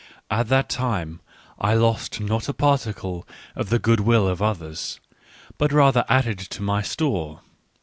At that time I lost not a particle of the good will of others, but rather added to my store.